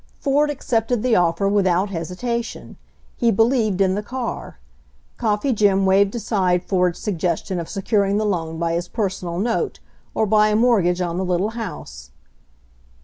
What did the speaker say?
Ford accepted the offer without hesitation. He believed in the car. Coffee Jim waved aside Ford's suggestion of securing the loan by his personal note, or by a mortgage on the little house.